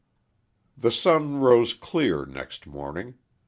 XXXI THE sun rose clear next morning.